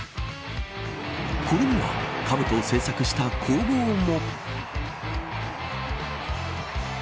これにはかぶとを制作した工房も。